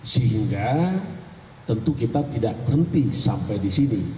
sehingga tentu kita tidak berhenti sampai di sini